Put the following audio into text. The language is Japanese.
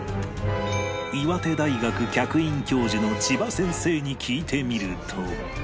岩手大学客員教授の千葉先生に聞いてみると